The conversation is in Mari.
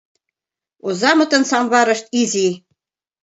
Озамытын самварышт изи.